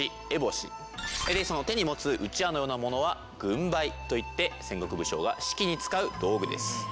手に持つ団扇のようなものは軍配といって戦国武将が指揮に使う道具です。